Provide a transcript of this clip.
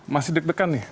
masih deg degan nih